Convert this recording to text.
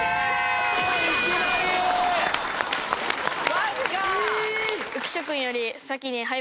マジか！